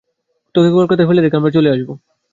তোকে কলকাতায় ফেলে রেখে আমরা চলে আসব।